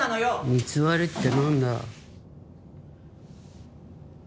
偽りってなんだ？